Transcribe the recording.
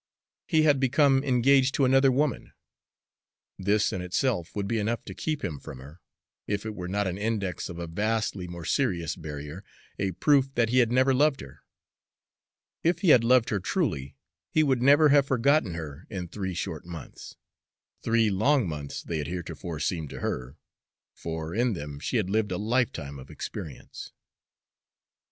He had become engaged to another woman, this in itself would be enough to keep him from her, if it were not an index of a vastly more serious barrier, a proof that he had never loved her. If he had loved her truly, he would never have forgotten her in three short months, three long months they had heretofore seemed to her, for in them she had lived a lifetime of experience.